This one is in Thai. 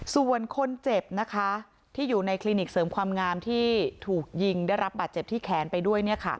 ส่วนคนเจ็บนะคะที่อยู่ในคลินิกเสริมความงามที่ถูกยิงได้รับบาดเจ็บที่แขนไปด้วย